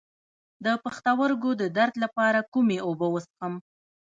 د پښتورګو د درد لپاره کومې اوبه وڅښم؟